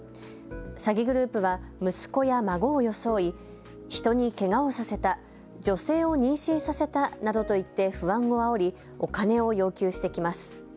詐欺グループは息子や孫を装い、人にけがをさせた、女性を妊娠させたなどと言って不安をあおりお金を要求してきます。